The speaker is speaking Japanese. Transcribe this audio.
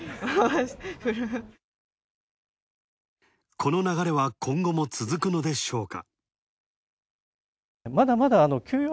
この流れは今後も続くのでしょうか。